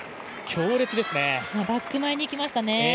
バック前に来ましたね。